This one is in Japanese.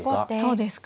そうですか。